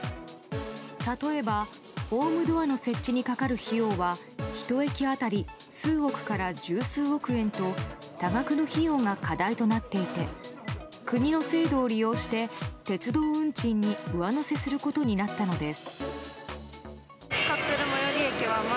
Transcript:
例えば、ホームドアの設置にかかる費用は１駅当たり数億から十数億円と多額の費用が課題となっていて国の制度を利用して鉄道運賃に上乗せすることになったのです。